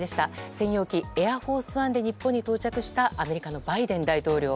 専用機「エアフォースワン」で日本に到着したアメリカのバイデン大統領。